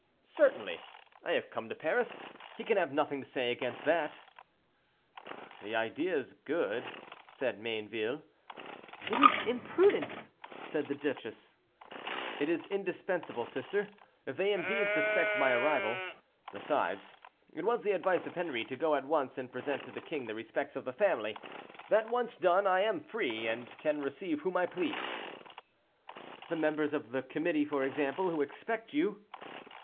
"Certainly; I have come to Paris—he can have nothing to say against that." "The idea is good," said Mayneville. "It is imprudent," said the duchess. "It is indispensable, sister, if they indeed suspect my arrival. Besides, it was the advice of Henri to go at once and present to the king the respects of the family; that once done, I am free, and can receive whom I please." "The members of the committee, for example, who expect you."